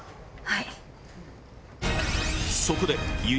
はい。